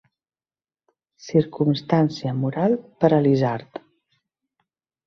Circumstància moral per a l'isard.